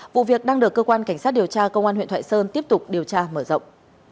vụ việc đang được cơ quan cảnh sát điều tra công an huyện thoại sơn tiếp tục điều tra mở rộng